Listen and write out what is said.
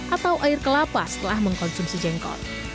atau air kelapa setelah mengkonsumsi jengkol